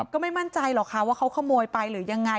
ก็ไม่มั่นใจหรอกค่ะว่าเขาขโมยไปหรือยังไง